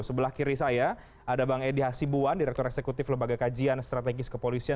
sebelah kiri saya ada bang edi hasibuan direktur eksekutif lembaga kajian strategis kepolisian